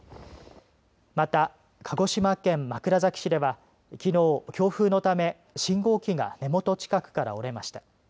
また、鹿児島県枕崎市ではきのう、強風のため信号機が根元近くから折れました。